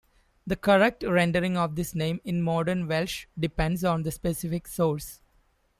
The correct rendering of this name in Modern Welsh depends on the specific source.